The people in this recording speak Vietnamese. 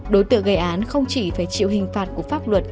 đối tượng gây án không chỉ phải chịu hình phạt của pháp luật